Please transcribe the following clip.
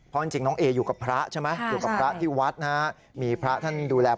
เพราะจริงน้องเออยู่กับพระใช่ไหม